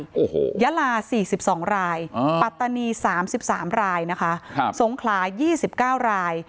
โอ้โหยะลา๔๒รายปัตตานี๓๓รายนะคะสงขลา๒๙ราย